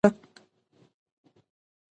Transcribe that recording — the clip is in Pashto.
ما د بې شمېره جملو بیاکتنه ترسره کړه.